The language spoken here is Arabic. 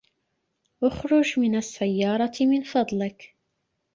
اخرج من السّيّارة من فضلك.